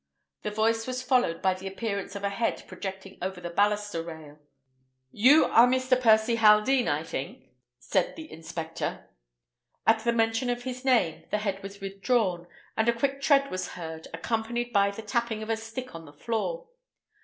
The voice was followed by the appearance of a head projecting over the baluster rail. "You are Mr. Percy Haldean, I think," said the inspector. At the mention of this name, the head was withdrawn, and a quick tread was heard, accompanied by the tapping of a stick on the floor.